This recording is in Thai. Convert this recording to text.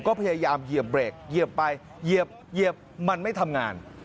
ก็พยายามเหยียบเบรกเหยียบไปเหยียบมันไม่ทำงาน